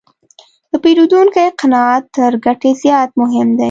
د پیرودونکي قناعت تر ګټې زیات مهم دی.